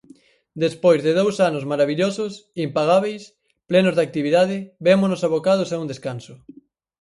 Despois de dous anos marabillosos, impagábeis, plenos de actividade, vémonos abocados a un descanso.